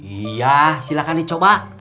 iya silahkan dicoba